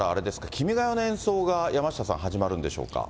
君が代の演奏が山下さん、始まるんでしょうか。